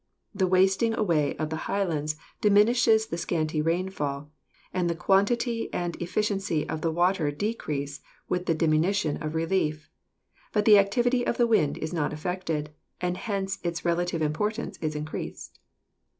The wasting away of the highlands diminishes the scanty rainfall, and the quantity and efficiency of the water decrease with the diminution of relief, but the activity of the wind is not affected, and hence its relative importance is increased.